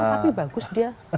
tapi bagus dia